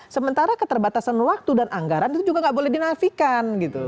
sementara keterbatasan waktu dan anggaran itu juga nggak boleh dinafikan gitu